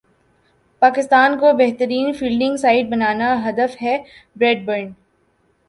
پاکستان کو بہترین fielding side بنانا ہدف ہے بریڈ برن